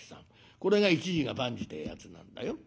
これが一事が万事ってえやつなんだよ。